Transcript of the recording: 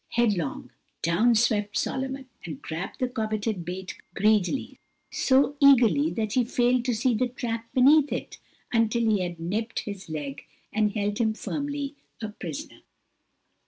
Headlong, down swept Solomon, and grabbed the coveted bait greedily, so eagerly that he failed to see the trap beneath it, until it had nipped his leg and held him firmly, a prisoner.